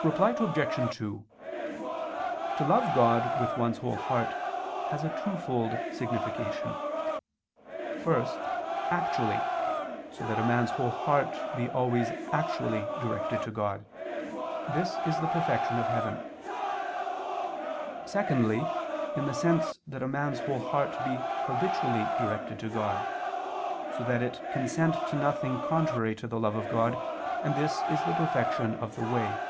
Reply Obj. 2: To love God with one's whole heart has a twofold signification. First, actually, so that a man's whole heart be always actually directed to God: this is the perfection of heaven. Secondly, in the sense that a man's whole heart be habitually directed to God, so that it consent to nothing contrary to the love of God, and this is the perfection of the way.